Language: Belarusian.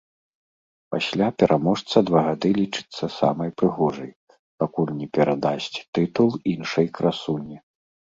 Пасля пераможца два гады лічыцца самай прыгожай, пакуль не перадасць тытул іншай красуні.